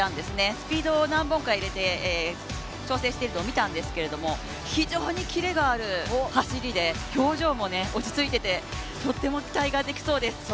スピードを何本か入れて調整しているのを見たんですけど、非常にキレがある走りで表情も落ち着いててとっても期待ができそうです。